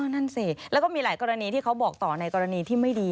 นั่นสิแล้วก็มีหลายกรณีที่เขาบอกต่อในกรณีที่ไม่ดี